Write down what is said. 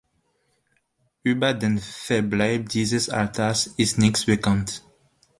Über den Verbleib dieses Altars ist nichts bekannt.